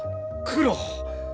九郎！